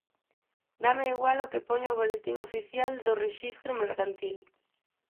Dáme igual o que poña o Boletín Oficial do Rexistro Mercantil.